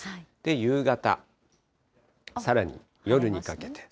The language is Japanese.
夕方、さらに夜にかけて。